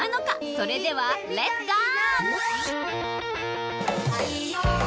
それではレッツゴー！